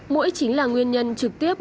mũi chính là nguyên nhân trực tiếp